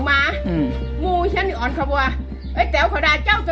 หลังจากนี่เราได้กับฉันคุณต้องการของฉัน